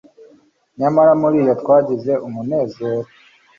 Nyamara muriyo twagize umunezero